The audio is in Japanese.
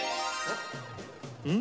うん？